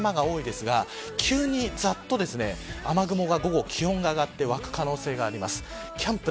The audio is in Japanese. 関東や東海地方晴れ間が多いですが、急にざっと雨雲が、午後気温が上がって湧く可能性があります。